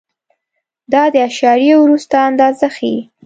دا د اعشاریې وروسته اندازه ښیي.